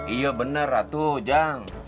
iya benar ratu jang